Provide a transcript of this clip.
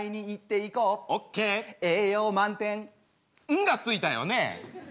「ん」がついたよね！？